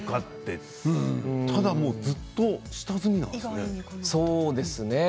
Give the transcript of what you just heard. ただ、ずっと下積みなんですよね。